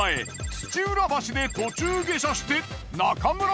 土浦橋で途中下車して中村を目指す。